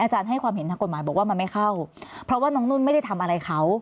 ให้ความเห็นทางกฎหมายบอกว่ามันไม่เข้าเพราะว่าน้องนุ่นไม่ได้ทำอะไรเขา